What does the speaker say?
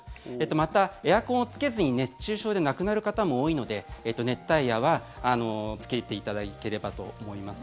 また、エアコンをつけずに熱中症で亡くなる方も多いので熱帯夜はつけていただければと思います。